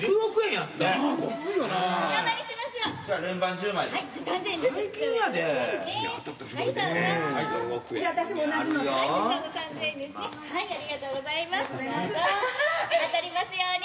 当たりますように。